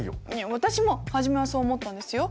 私も初めはそう思ったんですよ。